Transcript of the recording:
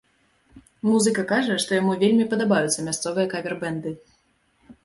Музыка кажа, што яму вельмі падабаюцца мясцовыя кавер-бэнды.